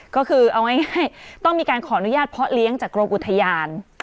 ก็คือเอาง่ายต้องมีการขออนุญาตเพาะเลี้ยงจากกรมอุทยาน